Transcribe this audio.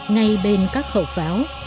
ngay bên các khẩu pháo